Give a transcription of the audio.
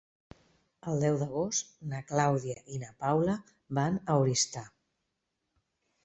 El deu d'agost na Clàudia i na Paula van a Oristà.